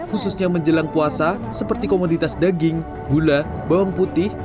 khususnya menjelang puasa seperti komoditas daging gula bawang putih